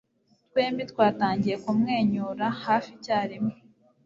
twembi twatangiye kumwenyura hafi icyarimwe